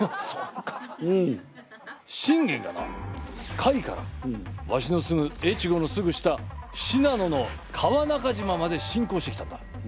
信玄がな甲斐からわしの住む越後のすぐ下信濃の川中島までしんこうしてきたんだ。